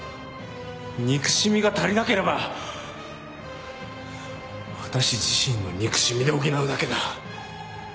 憎しみが足りなければ私自身の憎しみで補うだけだ。